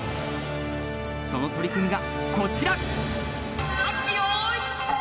その取組がこちら。